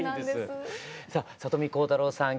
さあ里見浩太朗さん